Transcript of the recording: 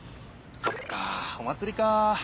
そっかお祭りか。